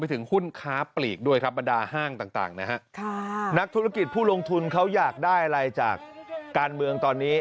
ถึงหุ้นค้าปลีกด้วยครับบรรดาห้างต่างนะฮะค่ะนักธุรกิจผู้ลงทุนเขาอยากได้อะไรจากการเมืองตอนนี้